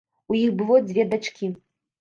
У іх было дзве дачкі.